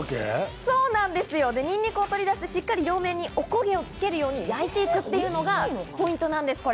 にんにくを取り出して、しっかりと両目におこげをつけるように焼いていくというのがポイントなんです。